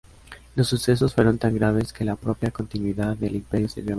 Los sucesos fueron tan graves que la propia continuidad del Imperio se vio amenazada.